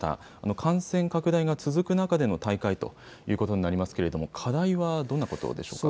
感染拡大が続く中での大会ということになりますけれども、課題はどんなことでしょうか。